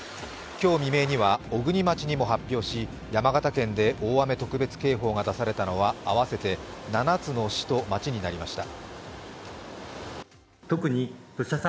今日未明には小国町にも発表し、山形県で大雨特別警報が出されたのは合わせて７つの市と町になりました。